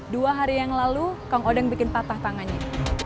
dua hari yang lalu kang odeng bikin patah tangannya